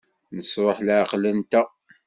Nesṛuḥ leɛqel-nteɣ.